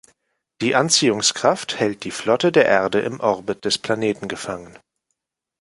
Die Anziehungskraft hält die Flotte der Erde im Orbit des Planeten gefangen.